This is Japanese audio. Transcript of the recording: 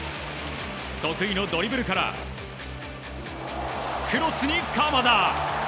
得意のドリブルからクロスに鎌田！